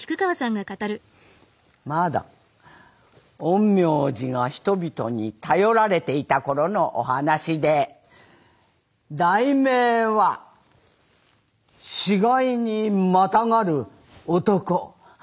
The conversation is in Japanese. まだ陰陽師が人々に頼られていた頃のお話で題名は『死骸にまたがる男』。